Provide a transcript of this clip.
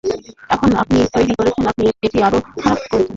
এখন, আপনি তৈরি করছেন-- আপনি এটি আরও খারাপ করছেন।